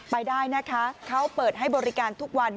ไปได้นะคะเขาเปิดให้บริการทุกวัน